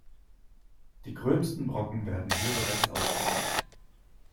Die gröbsten Brocken werden hier bereits ausgesiebt.